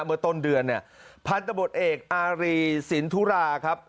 เมื่อต้นเดือนเนี่ยพันธบทเอกอารีสินทุราครับ